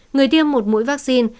người tiêm một mũi vaccine